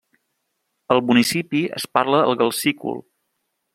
Al municipi es parla el gal-sícul.